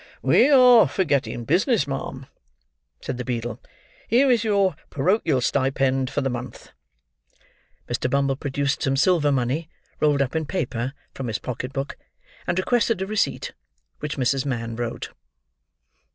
"We are forgetting business, ma'am," said the beadle; "here is your porochial stipend for the month." Mr. Bumble produced some silver money rolled up in paper, from his pocket book; and requested a receipt: which Mrs. Mann wrote.